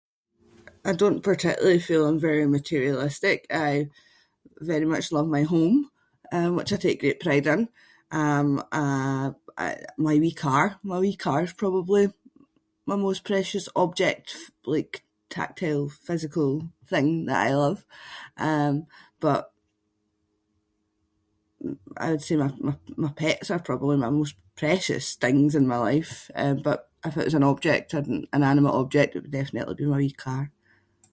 I don’t particularly feel I’m very materialistic. I very much love my home uh which I take great pride in. Um- uh- uh my wee car. My wee car’s probably my most precious object like tactile, physical thing that I love. Um but I would say m-m-my pets are probably my most precious things in my life. Um but if it’s an object, an inanimate object it would definitely be my wee car.